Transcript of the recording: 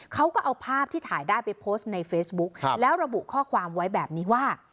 เขาก็เอาภาพที่ถ่ายได้ไปโพสต์ในเฟซบุ๊กแล้วระบุข้อความไว้แบบนี้ว่า